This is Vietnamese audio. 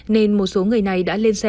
nên một số người này đã lên sân